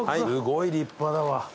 すごい立派だわ。